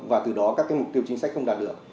và từ đó các mục tiêu chính sách không đạt được